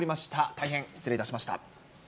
大変失礼いたしました。